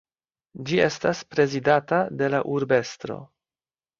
Ĝi estas prezidata de la urbestro.